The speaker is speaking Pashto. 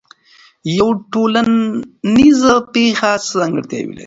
یوه ټولنیزه پېښه څه ځانګړتیاوې لري؟